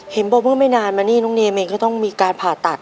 บอกว่าไม่นานมานี่น้องเนมเองก็ต้องมีการผ่าตัด